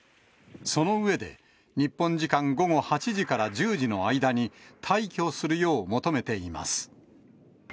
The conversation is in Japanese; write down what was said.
その上で、日本時間午後８時から１０時の間に、退去するよう求めています。